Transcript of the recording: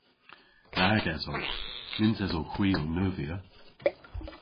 Nag esowgh. Nyns esowgh hwi ow neuvya.